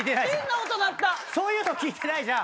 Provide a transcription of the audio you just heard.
そういうの聞いてないじゃん！